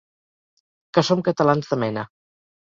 Que som catalans de mena.